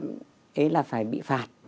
thì là phải bị phạt